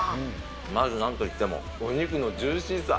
まずなんといってもお肉のジューシーさ。